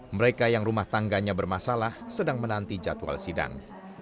mereka yang rumah tangganya bermasalah sedang menanti jadwal sidang